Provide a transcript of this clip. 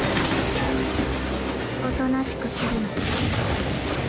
おとなしくするの。